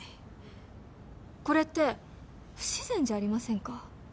これって不自然じゃありませんか？